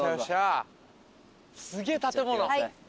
すげえ建物。